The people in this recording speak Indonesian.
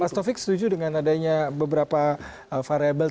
pak stovik setuju dengan adanya beberapa variable